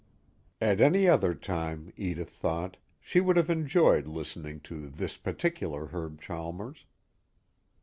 At any other time, Edith thought, she would have enjoyed listening to this particular Herb Chalmers.